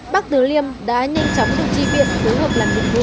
bắc tứ liêm đã nhanh chóng được tri viện phối hợp làm nhiệm vụ